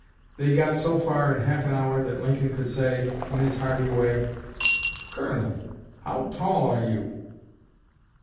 They got so far in half an hour that Lincoln could say, in his hearty way: "Colonel, how tall are you?"